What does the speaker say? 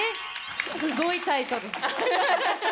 すごいタイトル。